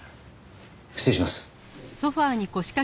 失礼します。